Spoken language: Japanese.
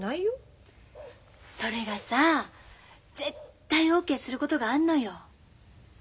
それがさ絶対ＯＫすることがあんのよ。